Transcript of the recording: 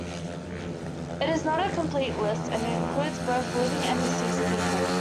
It is not a complete list and it includes both living and deceased people.